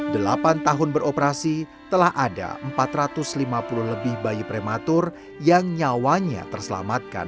delapan tahun beroperasi telah ada empat ratus lima puluh lebih bayi prematur yang nyawanya terselamatkan